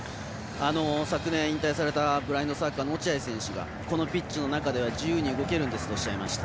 昨年、引退されたブラインドサッカーの落合選手が、このピッチの中では自由に動けるんだとおっしゃいました。